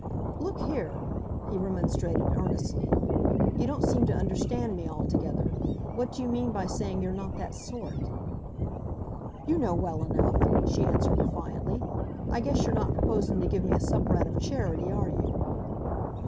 "Look here," he remonstrated earnestly, "you don't seem to understand me altogether. What do you mean by saying you're not that sort?" "You know well enough," she answered defiantly. "I guess you're not proposing to give me a supper out of charity, are you?"